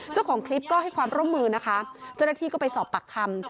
เจ้าของคลิปก็ให้ความร่วมมือนะคะเจ้าหน้าที่ก็ไปสอบปากคำ